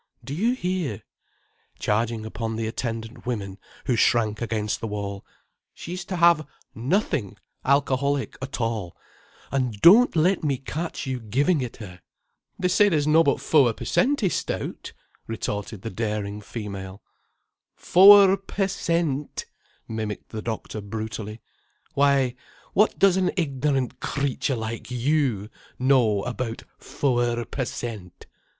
Do you hear—" charging upon the attendant women, who shrank against the wall—"she's to have nothing alcoholic at all, and don't let me catch you giving it her." "They say there's nobbut fower per cent. i' stout," retorted the daring female. "Fower per cent.," mimicked the doctor brutally. "Why, what does an ignorant creature like you know about fower per cent."